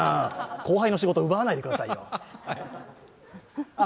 後輩の仕事、奪わないでくださいよ。